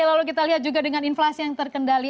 lalu kita lihat juga dengan inflasi yang terkendali